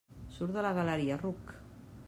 Surt de la galeria, ruc!